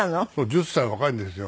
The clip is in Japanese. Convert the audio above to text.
１０歳若いんですよ。